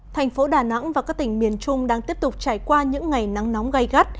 thành phố đà nẵng và các tỉnh miền trung đang tiếp tục trải qua những ngày nắng nóng gây gắt